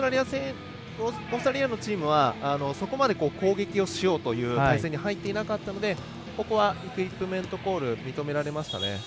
オーストラリアのチームはそこまで、攻撃をしようという体勢に入っていなかったのでここはイクイップメントコール認められましたね。